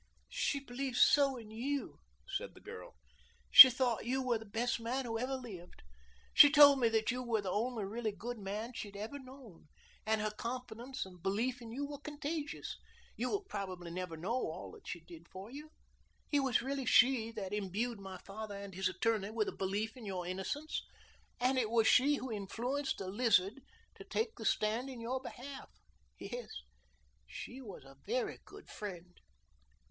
"She believed so in you," said the girl. "She thought you were the best man who ever lived. She told me that you were the only really good man she had ever known, and her confidence and belief in you were contagious. You will probably never know all that she did for you. It was really she that imbued my father and his attorney with a belief in your innocence, and it was she who influenced the Lizard to take the stand in your behalf. Yes, she was a very good friend."